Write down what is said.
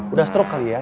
udah stroke kali ya